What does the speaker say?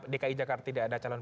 dki jakarta tidak ada calon